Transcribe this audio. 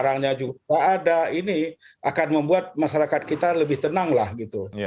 barangnya juga ada ini akan membuat masyarakat kita lebih tenang lah gitu